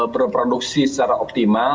berproduksi secara optimal